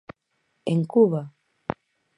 En Cuba!